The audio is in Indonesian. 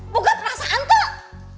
bukan perasaan tuh